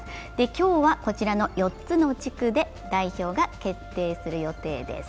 今日は、こちらの４つの地区で代表が決定する予定です。